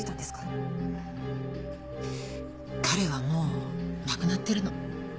彼はもう亡くなってるの。